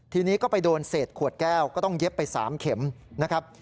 ทีนี้ก็ไปโดนเศษขวดแก้วก็ต้องเย็บไป๓เข็มนะครับ